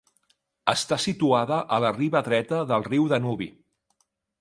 Està situada a la riba dreta del riu Danubi.